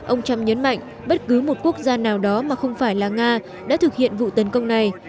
ông trump nhấn mạnh bất cứ một quốc gia nào đó mà không phải là nga đã thực hiện vụ tấn công này